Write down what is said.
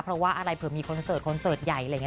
เพราะว่าอะไรเผื่อมีคอนเสิร์ตคอนเสิร์ตใหญ่อะไรอย่างนี้